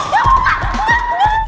ya ampun enggak